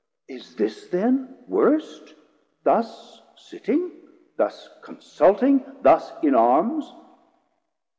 is this then worst, Thus sitting, thus consulting, thus in Arms?